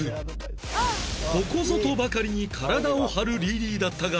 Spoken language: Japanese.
ここぞとばかりに体を張るリリーだったが